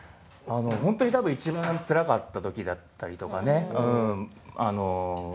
本当に多分一番つらかった時だったりとかね。